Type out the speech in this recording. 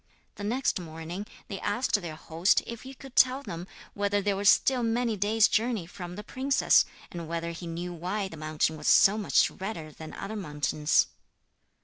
The next morning they asked their host if he could tell them whether they were still many days' journey from the princess, and whether he knew why the mountain was so much redder than other mountains.